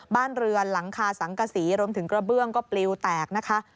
บ้านเรือนหลังคาสังกษีรวมถึงกระเบื้องก็ปลิวแตกนะคะ